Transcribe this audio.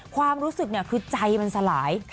ความรู้สึกคือใจมันสลาย